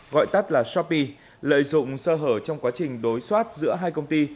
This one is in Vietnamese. gọi tắt là shopee lợi dụng sơ hở trong quá trình đối soát giữa hai công ty